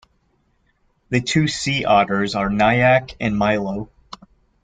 The two sea otters are Nyac and Milo.